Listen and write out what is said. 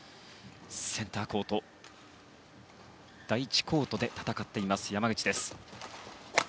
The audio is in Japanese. センターコート第１コートで戦っている山口です。